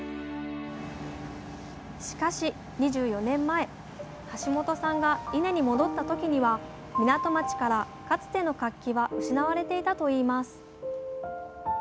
しかし２４年前橋本さんが伊根に戻った時には港町からかつての活気は失われていたといいます。